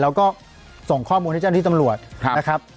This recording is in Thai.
เราก็ส่งข้อมูลให้เจ้าหน้าที่ตำรวจนะครับ